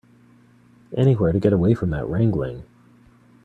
Anywhere to get away from that wrangling.